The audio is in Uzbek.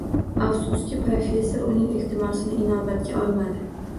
Afsuski, professor uning iltimosini inobatga olmadi